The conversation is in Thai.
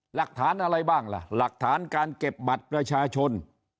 หลักฐานอะไรบ้างล่ะหลักฐานการเก็บบัตรประชาชน